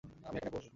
আমি এখানে বসবো?